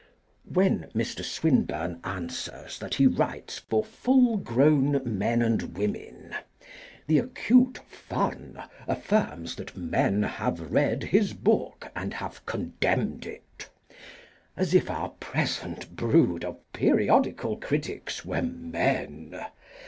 When Mr. Swinburne answers that he writes for full grown men and women, the acute Fun affirms that men have read his book and have condemned it. As if our present brood of periodical critics were men!